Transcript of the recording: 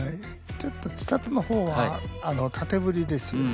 ちょっと千怜の方は縦振りですよね。